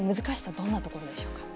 難しさ、どんなところでしょう？